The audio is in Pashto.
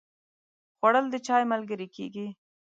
خوړل د چای ملګری کېږي